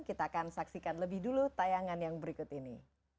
kita akan saksikan lebih dulu tayangan yang berikut ini